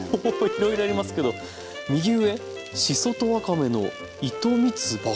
いろいろありますけど右上しそとわかめの糸みつば